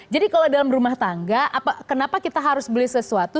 jadi kalau dalam rumah tangga kenapa kita harus beli sesuatu